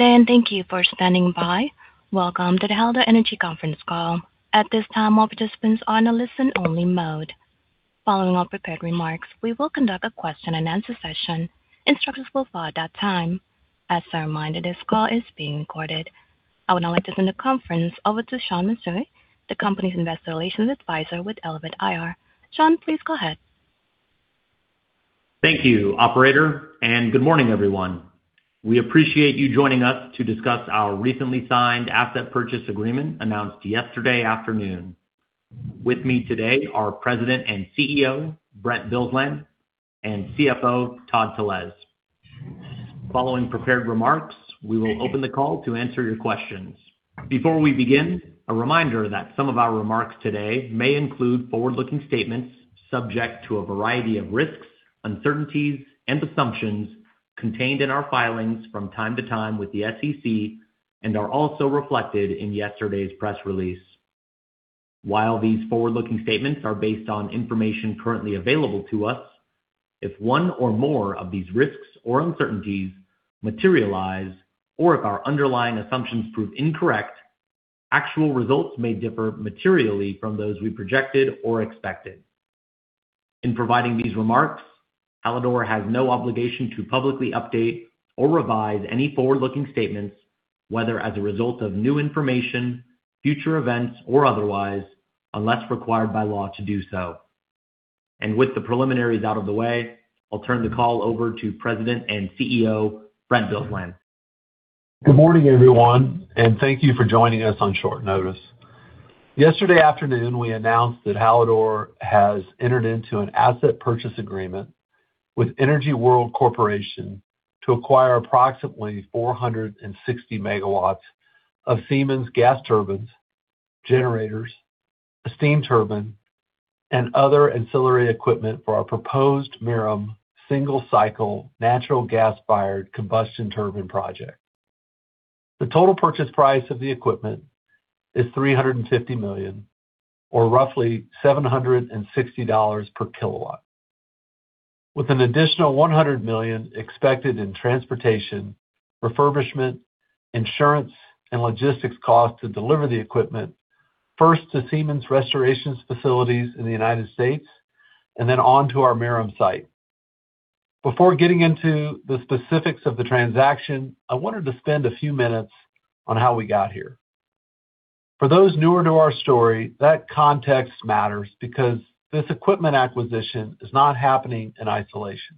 Good day, and thank you for standing by. Welcome to the Hallador Energy conference call. At this time, all participants are on a listen-only mode. Following our prepared remarks, we will conduct a question-and-answer session. Instructions will follow at that time. As a reminder, this call is being recorded. I would now like to turn the conference over to Sean Mansouri, the company's investor relations advisor with Elevate IR. Sean, please go ahead. Thank you, operator. Good morning, everyone. We appreciate you joining us to discuss our recently signed asset purchase agreement announced yesterday afternoon. With me today are President and CEO, Brent Bilsland, and CFO, Todd Telesz. Following prepared remarks, we will open the call to answer your questions. Before we begin, a reminder that some of our remarks today may include forward-looking statements subject to a variety of risks, uncertainties, and assumptions contained in our filings from time to time with the SEC and are also reflected in yesterday's press release. While these forward-looking statements are based on information currently available to us, if one or more of these risks or uncertainties materialize, or if our underlying assumptions prove incorrect, actual results may differ materially from those we projected or expected. In providing these remarks, Hallador has no obligation to publicly update or revise any forward-looking statements, whether as a result of new information, future events, or otherwise, unless required by law to do so. With the preliminaries out of the way, I'll turn the call over to President and CEO, Brent Bilsland. Good morning, everyone, and thank you for joining us on short notice. Yesterday afternoon, we announced that Hallador has entered into an asset purchase agreement with Energy World Corporation to acquire approximately 460 MW of Siemens gas turbines, generators, a steam turbine, and other ancillary equipment for our proposed Merom single-cycle natural gas-fired combustion turbine project. The total purchase price of the equipment is $350 million, or roughly $760 per kilowatt. With an additional $100 million expected in transportation, refurbishment, insurance, and logistics costs to deliver the equipment, first to Siemens restorations facilities in the United States and then on to our Merom site. Before getting into the specifics of the transaction, I wanted to spend a few minutes on how we got here. For those newer to our story, that context matters because this equipment acquisition is not happening in isolation.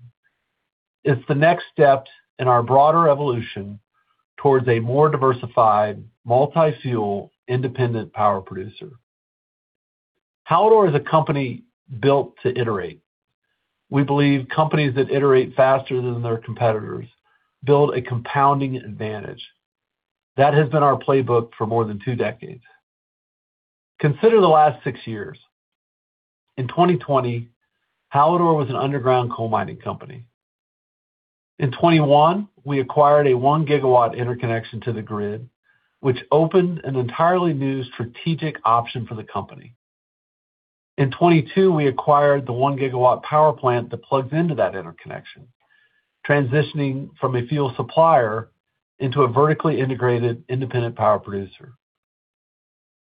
It's the next step in our broader evolution towards a more diversified, multi-fuel, independent power producer. Hallador is a company built to iterate. We believe companies that iterate faster than their competitors build a compounding advantage. That has been our playbook for more than two decades. Consider the last six years. In 2020, Hallador was an underground coal mining company. In 2021, we acquired a 1 GW interconnection to the grid, which opened an entirely new strategic option for the company. In 2022, we acquired the 1 GW power plant that plugs into that interconnection, transitioning from a fuel supplier into a vertically integrated independent power producer.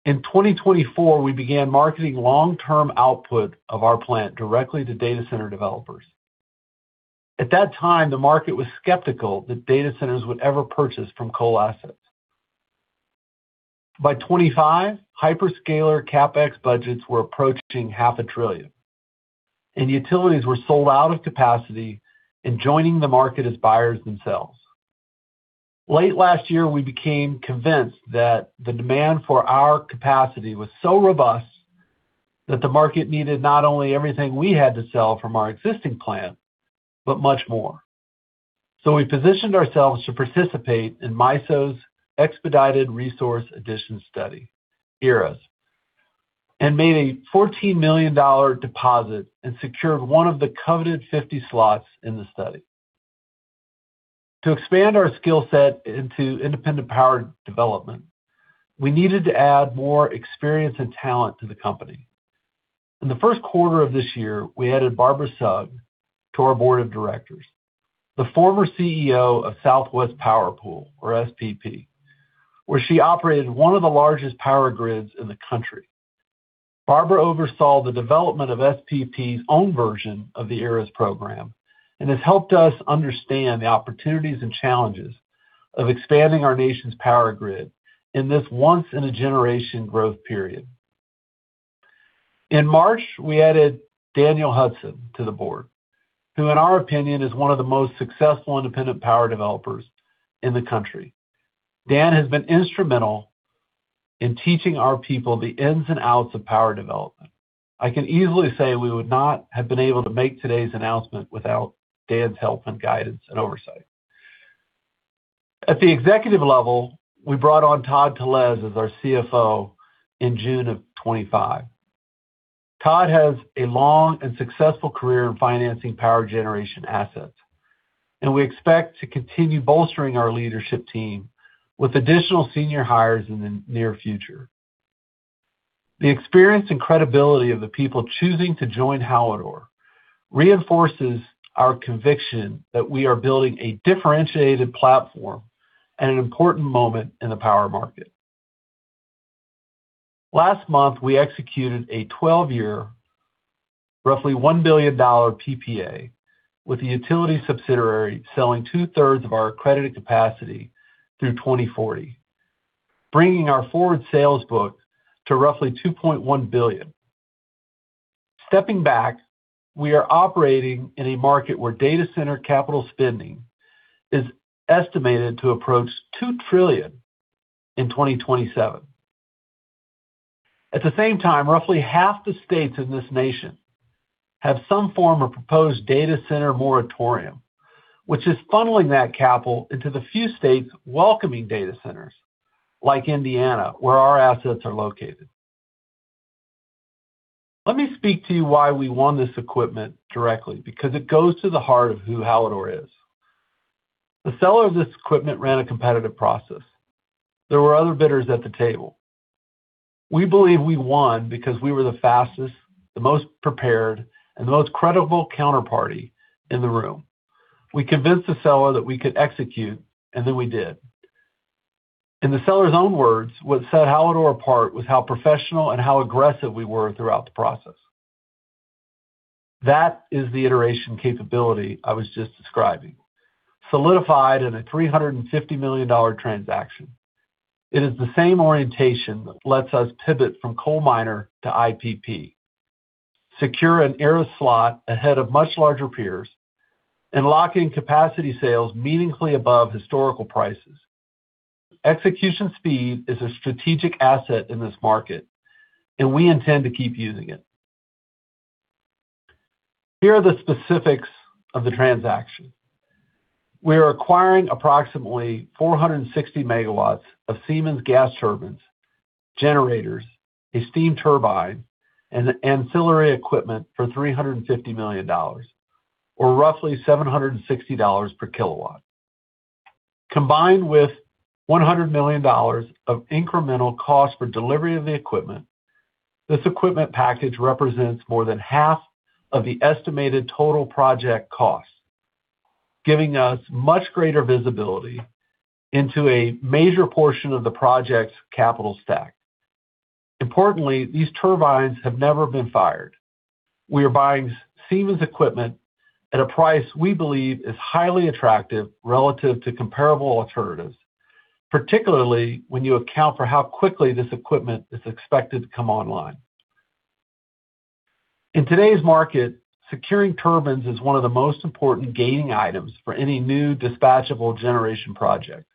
In 2024, we began marketing long-term output of our plant directly to data center developers. At that time, the market was skeptical that data centers would ever purchase from coal assets. By 2025, hyperscaler CapEx budgets were approaching half a trillion, and utilities were sold out of capacity and joining the market as buyers themselves. Late last year, we became convinced that the demand for our capacity was so robust that the market needed not only everything we had to sell from our existing plant, but much more. We positioned ourselves to participate in MISO's Expedited Resource Addition Study, ERAS, and made a $14 million deposit and secured one of the coveted 50 slots in the study. To expand our skill set into independent power development, we needed to add more experience and talent to the company. In the first quarter of this year, we added Barbara Sugg to our board of directors, the former CEO of Southwest Power Pool, or SPP, where she operated one of the largest power grids in the country. Barbara oversaw the development of SPP's own version of the ERAS program and has helped us understand the opportunities and challenges of expanding our nation's power grid in this once-in-a-generation growth period. In March, we added Daniel Hudson to the board, who, in our opinion, is one of the most successful independent power developers in the country. Dan has been instrumental in teaching our people the ins and outs of power development. I can easily say we would not have been able to make today's announcement without Dan's help and guidance and oversight. At the executive level, we brought on Todd Telesz as our CFO in June of 2025. Todd has a long and successful career in financing power generation assets, and we expect to continue bolstering our leadership team with additional senior hires in the near future. The experience and credibility of the people choosing to join Hallador reinforces our conviction that we are building a differentiated platform at an important moment in the power market. Last month, we executed a 12-year, roughly $1 billion PPA with the utility subsidiary selling 2/3 of our accredited capacity through 2040, bringing our forward sales book to roughly $2.1 billion. Stepping back, we are operating in a market where data center capital spending is estimated to approach $2 trillion in 2027. At the same time, roughly half the states in this nation have some form of proposed data center moratorium, which is funneling that capital into the few states welcoming data centers, like Indiana, where our assets are located. Let me speak to you why we won this equipment directly, because it goes to the heart of who Hallador is. The seller of this equipment ran a competitive process. There were other bidders at the table. We believe we won because we were the fastest, the most prepared, and the most credible counterparty in the room. We convinced the seller that we could execute, and then we did. In the seller's own words, what set Hallador apart was how professional and how aggressive we were throughout the process. That is the iteration capability I was just describing, solidified in a $350 million transaction. It is the same orientation that lets us pivot from coal miner to IPP, secure an ERAS slot ahead of much larger peers, and lock in capacity sales meaningfully above historical prices. Execution speed is a strategic asset in this market, and we intend to keep using it. Here are the specifics of the transaction. We are acquiring approximately 460 MW of Siemens gas turbines, generators, a steam turbine, and ancillary equipment for $350 million, or roughly $760 per kilowatt. Combined with $100 million of incremental cost for delivery of the equipment, this equipment package represents more than half of the estimated total project cost, giving us much greater visibility into a major portion of the project's capital stack. Importantly, these turbines have never been fired. We are buying Siemens equipment at a price we believe is highly attractive relative to comparable alternatives, particularly when you account for how quickly this equipment is expected to come online. In today's market, securing turbines is one of the most important gating items for any new dispatchable generation project.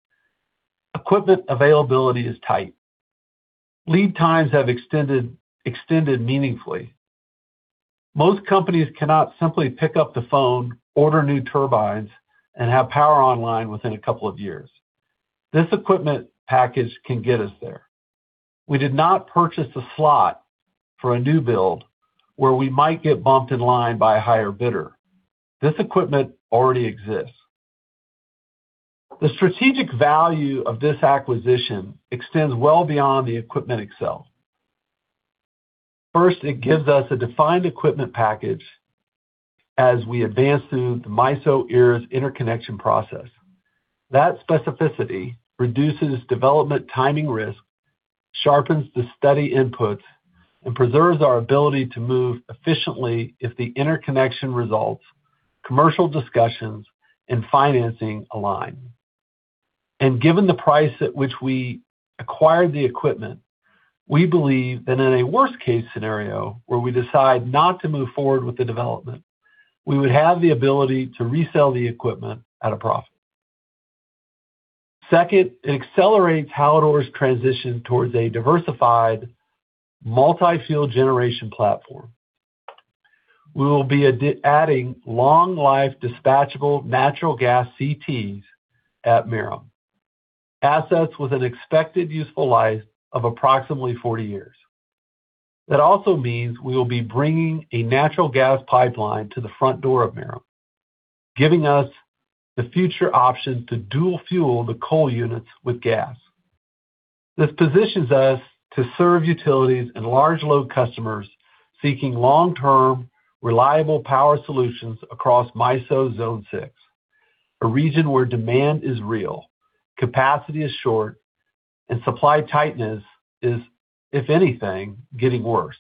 Equipment availability is tight. Lead times have extended meaningfully. Most companies cannot simply pick up the phone, order new turbines, and have power online within a couple of years. This equipment package can get us there. We did not purchase a slot for a new build where we might get bumped in line by a higher bidder. This equipment already exists. The strategic value of this acquisition extends well beyond the equipment itself. First, it gives us a defined equipment package as we advance through the MISO ERAS interconnection process. That specificity reduces development timing risk, sharpens the study inputs, and preserves our ability to move efficiently if the interconnection results, commercial discussions, and financing align. Given the price at which we acquired the equipment, we believe that in a worst-case scenario where we decide not to move forward with the development, we would have the ability to resell the equipment at a profit. Second, it accelerates Hallador's transition towards a diversified multi-fuel generation platform. We will be adding long-life dispatchable natural gas CTs at Merom, assets with an expected useful life of approximately 40 years. That also means we will be bringing a natural gas pipeline to the front door of Merom, giving us the future option to dual fuel the coal units with gas. This positions us to serve utilities and large load customers seeking long-term, reliable power solutions across MISO Zone 6, a region where demand is real, capacity is short, and supply tightness is, if anything, getting worse.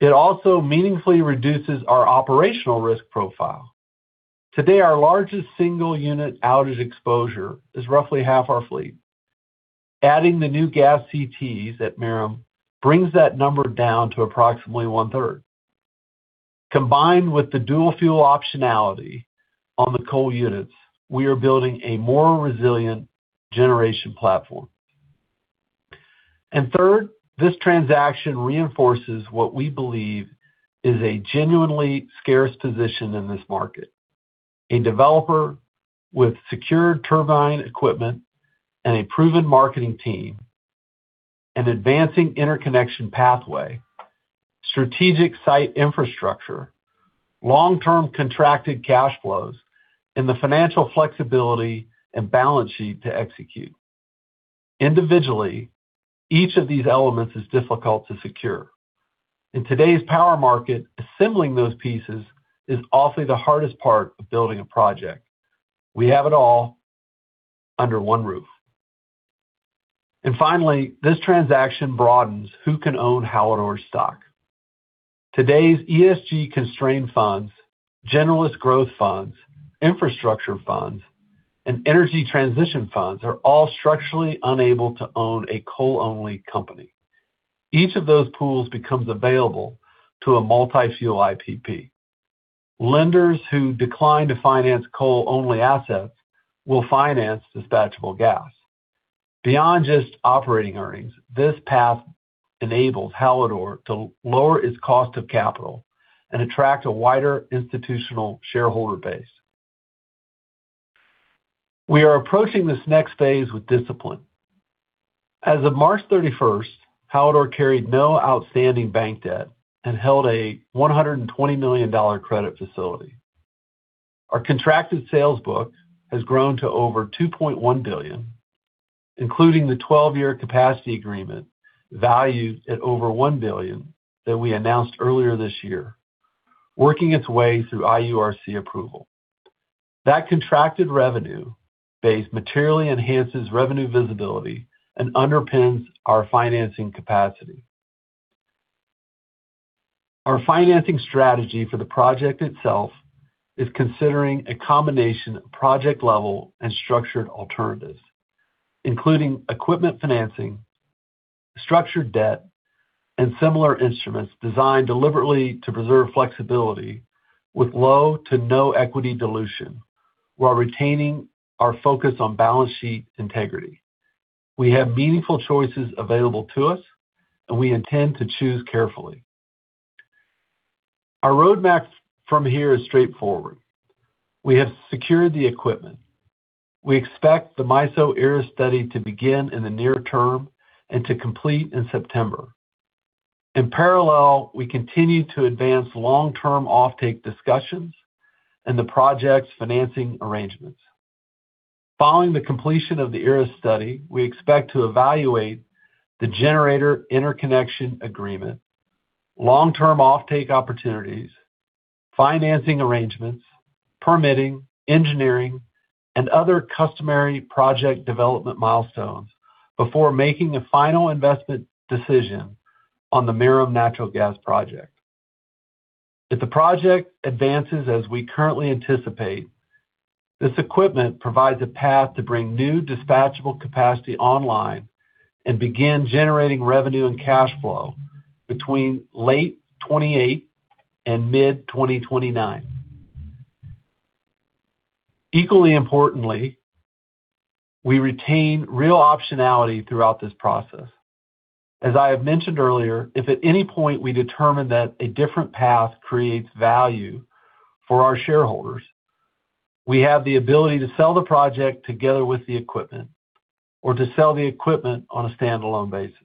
It also meaningfully reduces our operational risk profile. Today, our largest single unit outage exposure is roughly half our fleet. Adding the new gas CTs at Merom brings that number down to approximately one-third. Combined with the dual fuel optionality on the coal units, we are building a more resilient generation platform. Third, this transaction reinforces what we believe is a genuinely scarce position in this market: a developer with secured turbine equipment and a proven marketing team, advancing interconnection pathway, strategic site infrastructure, long-term contracted cash flows, and the financial flexibility and balance sheet to execute. Individually, each of these elements is difficult to secure. In today's power market, assembling those pieces is often the hardest part of building a project. We have it all under one roof. Finally, this transaction broadens who can own Hallador stock. Today's ESG-constrained funds, generalist growth funds, infrastructure funds, and energy transition funds are all structurally unable to own a coal-only company. Each of those pools becomes available to a multi-fuel IPP. Lenders who decline to finance coal-only assets will finance dispatchable gas. Beyond just operating earnings, this path enables Hallador to lower its cost of capital and attract a wider institutional shareholder base. We are approaching this next phase with discipline. As of March 31st, Hallador carried no outstanding bank debt and held a $120 million credit facility. Our contracted sales book has grown to over $2.1 billion, including the 12-year capacity agreement valued at over $1 billion that we announced earlier this year, working its way through IURC approval. That contracted revenue Our financing strategy for the project itself is considering a combination of project-level and structured alternatives, including equipment financing, structured debt, and similar instruments designed deliberately to preserve flexibility with low to no equity dilution while retaining our focus on balance sheet integrity. We have meaningful choices available to us, and we intend to choose carefully. Our roadmap from here is straightforward. We have secured the equipment. We expect the MISO ERAS study to begin in the near term and to complete in September. In parallel, we continue to advance long-term offtake discussions and the project's financing arrangements. Following the completion of the ERAS study, we expect to evaluate the generator interconnection agreement, long-term offtake opportunities, financing arrangements, permitting, engineering, and other customary project development milestones before making a final investment decision on the Merom Natural Gas Project. If the project advances as we currently anticipate, this equipment provides a path to bring new dispatchable capacity online and begin generating revenue and cash flow between late 2028 and mid-2029. Equally importantly, we retain real optionality throughout this process. As I have mentioned earlier, if at any point we determine that a different path creates value for our shareholders, we have the ability to sell the project together with the equipment or to sell the equipment on a standalone basis.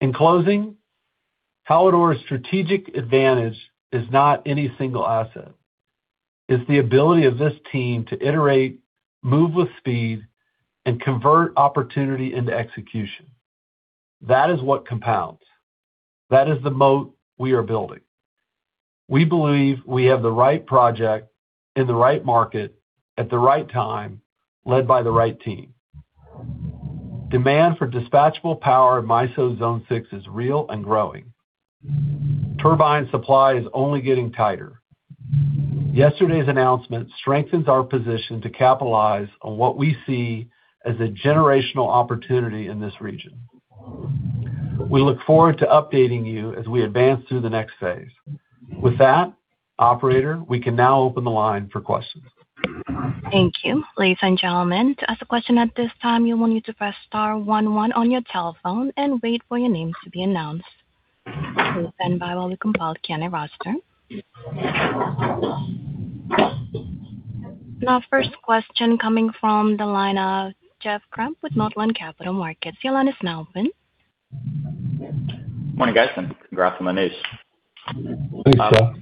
In closing, Hallador's strategic advantage is not any single asset. It's the ability of this team to iterate, move with speed, and convert opportunity into execution. That is what compounds. That is the moat we are building. We believe we have the right project in the right market at the right time, led by the right team. Demand for dispatchable power in MISO's Zone 6 is real and growing. Turbine supply is only getting tighter. Yesterday's announcement strengthens our position to capitalize on what we see as a generational opportunity in this region. We look forward to updating you as we advance through the next phase. With that, operator, we can now open the line for questions. Thank you. Ladies and gentlemen, to ask a question at this time, you will need to press star one one on your telephone and wait for your names to be announced. Please stand by while we compile attendee roster. Our first question coming from the line of Jeff Grampp with Northland Capital Markets. Your line is now open. Morning, guys, and congrats on the news. Thanks, Jeff.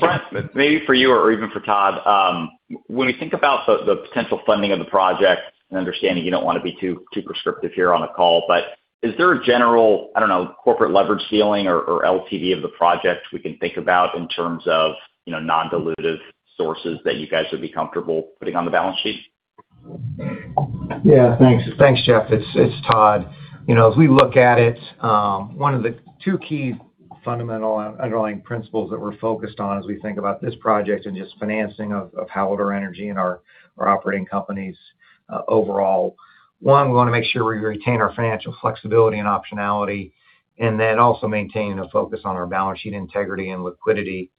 Brent, maybe for you or even for Todd. When we think about the potential funding of the project, and understanding you don't want to be too prescriptive here on the call, is there a general, I don't know, corporate leverage ceiling or LTD of the project we can think about in terms of non-dilutive sources that you guys would be comfortable putting on the balance sheet? Yeah. Thanks, Jeff. It's Todd. As we look at it, one of the two key fundamental underlying principles that we're focused on as we think about this project and just financing of Hallador Energy and our operating companies overall. One, we want to make sure we retain our financial flexibility and optionality, and then also maintain a focus on our balance sheet integrity and liquidity.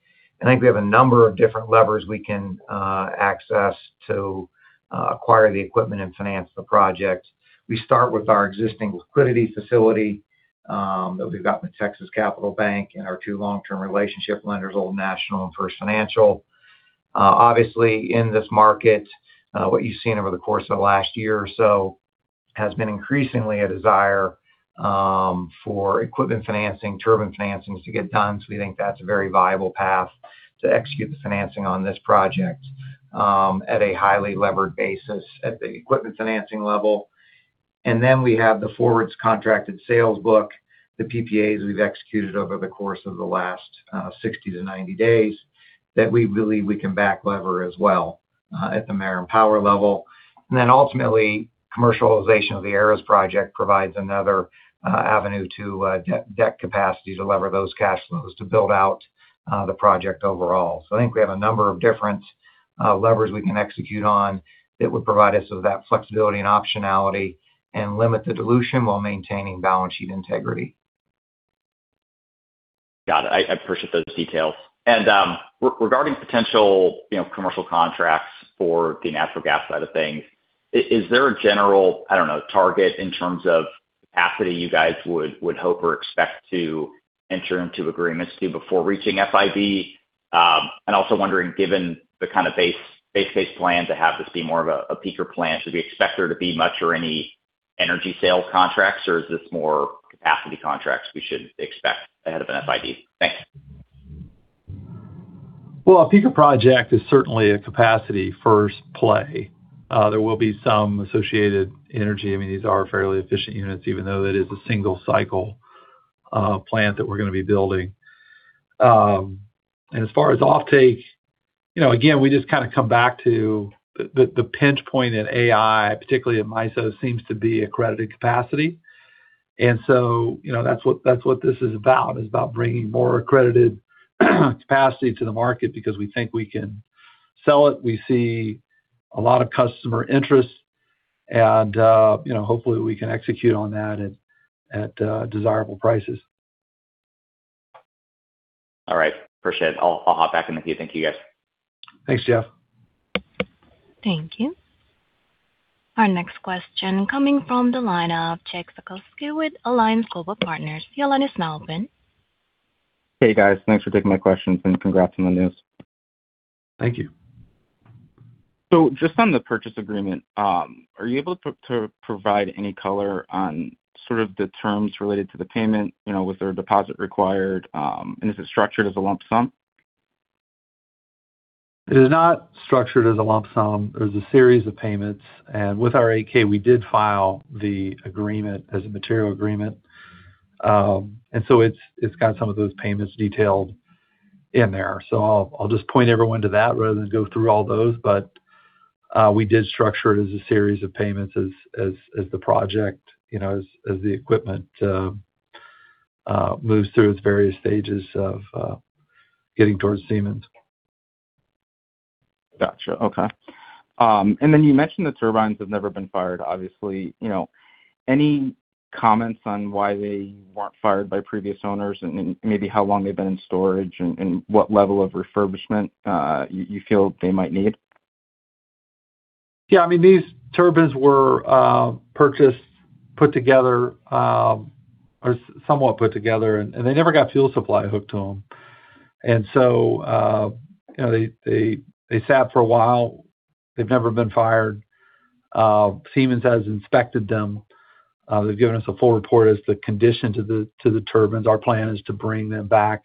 I think we have a number of different levers we can access to acquire the equipment and finance the project. We start with our existing liquidity facility that we've got in the Texas Capital Bank and our two long-term relationship lenders, Old National and First Financial. In this market, what you've seen over the course of the last year or so has been increasingly a desire for equipment financing, turbine financings to get done. We think that's a very viable path to execute the financing on this project at a highly levered basis at the equipment financing level. We have the forwards contracted sales book, the PPAs we've executed over the course of the last 60-90 days, that we believe we can back lever as well at the Merom Power level. Ultimately, commercialization of the ARES project provides another avenue to debt capacity to lever those cash flows to build out the project overall. I think we have a number of different levers we can execute on that would provide us with that flexibility and optionality and limit the dilution while maintaining balance sheet integrity. Got it. I appreciate those details. Regarding potential commercial contracts for the natural gas side of things, is there a general, I don't know, target in terms of capacity you guys would hope or expect to enter into agreements to before reaching FID? Also wondering, given the kind of base case plan to have this be more of a peaker plant, should we expect there to be much or any energy sales contracts, or is this more capacity contracts we should expect ahead of an FID? Thanks. Well, a peaker project is certainly a capacity first play. There will be some associated energy. These are fairly efficient units, even though that is a single-cycle plant that we're going to be building. As far as offtake, again, we just kind of come back to the pinch point in AI, particularly in MISO, seems to be accredited capacity. That's what this is about, is about bringing more accredited capacity to the market because we think we can sell it. We see a lot of customer interest, and hopefully we can execute on that at desirable prices. All right. Appreciate it. I'll hop back in the queue. Thank you, guys. Thanks, Jeff. Thank you. Our next question coming from the line of Jake Sekelsky with Alliance Global Partners. Your line is now open. Hey, guys. Thanks for taking my questions, and congrats on the news. Thank you. Just on the purchase agreement, are you able to provide any color on sort of the terms related to the payment? Was there a deposit required? Is it structured as a lump sum? It is not structured as a lump sum. There's a series of payments. With our 8-K, we did file the agreement as a material agreement. It's got some of those payments detailed in there. I'll just point everyone to that rather than go through all those. We did structure it as a series of payments as the project, as the equipment moves through its various stages of getting towards Siemens. Got you. Okay. You mentioned the turbines have never been fired, obviously. Any comments on why they weren't fired by previous owners, and maybe how long they've been in storage and what level of refurbishment you feel they might need? Yeah, these turbines were purchased, put together, or somewhat put together, and they never got fuel supply hooked to them. They sat for a while. They've never been fired. Siemens has inspected them. They've given us a full report as to the condition to the turbines. Our plan is to bring them back,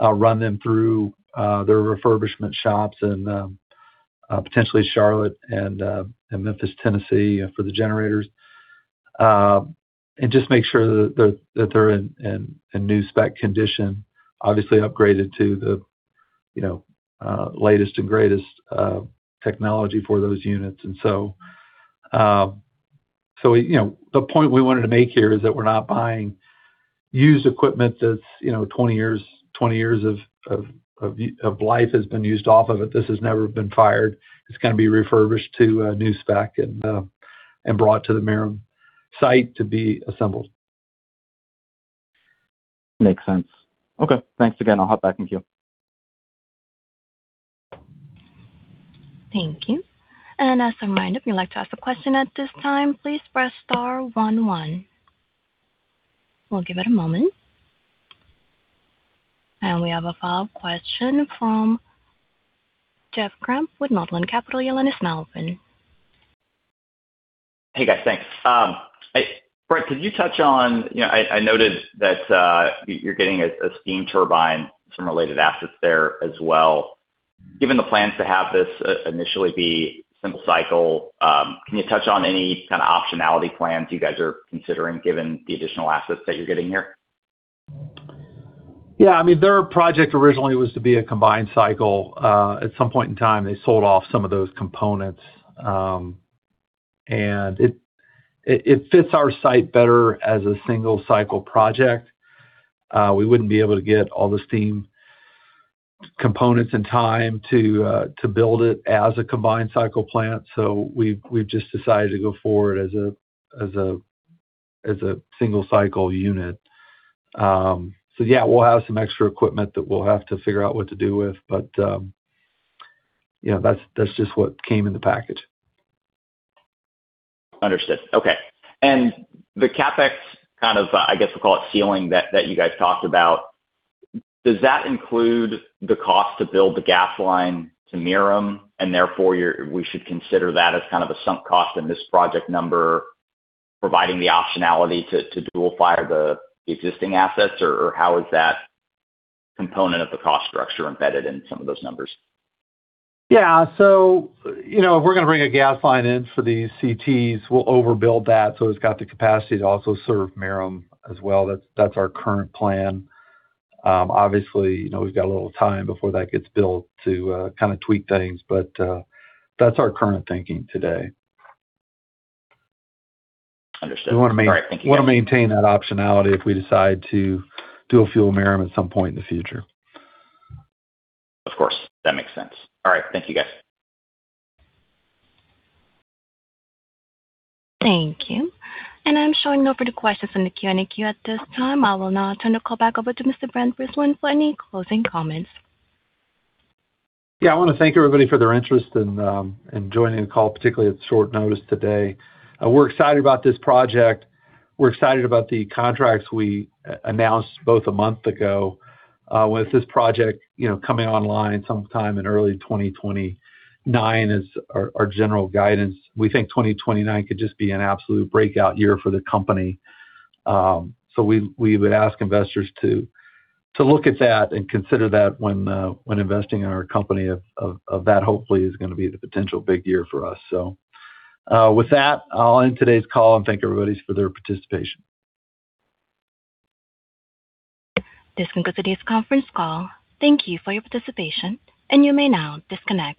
run them through their refurbishment shops in potentially Charlotte and Memphis, Tennessee, for the generators, and just make sure that they're in new spec condition, obviously upgraded to the latest and greatest technology for those units. The point we wanted to make here is that we're not buying used equipment that's 20 years of life has been used off of it. This has never been fired. It's going to be refurbished to a new spec and brought to the Merom site to be assembled. Makes sense. Okay. Thanks again. I'll hop back in queue. Thank you. As a reminder, if you'd like to ask a question at this time, please press star one one. We'll give it a moment. We have a follow-up question from Jeff Grampp with Northland Capital. Your line is now open. Hey, guys, thanks. Brent, I noticed that you're getting a steam turbine, some related assets there as well. Given the plans to have this initially be simple cycle, can you touch on any kind of optionality plans you guys are considering given the additional assets that you're getting here? Yeah. Their project originally was to be a combined cycle. At some point in time, they sold off some of those components. It fits our site better as a single-cycle project. We wouldn't be able to get all the steam components in time to build it as a combined cycle plant. We've just decided to go forward as a single-cycle unit. Yeah, we'll have some extra equipment that we'll have to figure out what to do with, but that's just what came in the package. Understood. Okay. The CapEx kind of, I guess we'll call it ceiling, that you guys talked about, does that include the cost to build the gas line to Merom, and therefore we should consider that as kind of a sunk cost in this project number, providing the optionality to dual-fire the existing assets? Or how is that component of the cost structure embedded in some of those numbers? Yeah. We're going to bring a gas line in for these CTs. We'll overbuild that so it's got the capacity to also serve Merom as well. That's our current plan. Obviously, we've got a little time before that gets built to kind of tweak things, but that's our current thinking today. Understood. All right. Thank you. We want to maintain that optionality if we decide to dual fuel Merom at some point in the future. Of course. That makes sense. All right. Thank you, guys. Thank you. I'm showing no further questions in the Q&A queue at this time. I will now turn the call back over to Mr. Brent Bilsland for any closing comments. Yeah, I want to thank everybody for their interest in joining the call, particularly at short notice today. We're excited about this project. We're excited about the contracts we announced both a month ago. With this project coming online sometime in early 2029 is our general guidance. We think 2029 could just be an absolute breakout year for the company. We would ask investors to look at that and consider that when investing in our company of that hopefully is going to be the potential big year for us. With that, I'll end today's call and thank everybody for their participation. This concludes today's conference call. Thank you for your participation, and you may now disconnect.